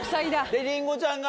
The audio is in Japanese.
でりんごちゃんが？